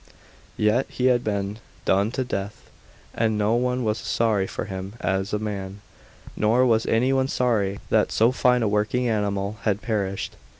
Yet he had been done to death, and no one was sorry for him as a man, nor was any one sorry that so fine a working animal had perished.